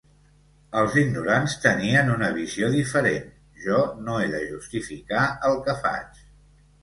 Els ignorants tenien una visió diferent; jo no he de justificar el que faig.